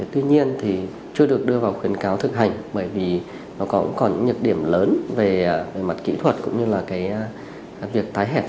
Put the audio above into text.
tuy nhiên thì chưa được đưa vào khuyến cáo thực hành bởi vì nó cũng còn những nhược điểm lớn về mặt kỹ thuật cũng như là việc tái hẹp sớm sau khi sử dụng stent tự tiêu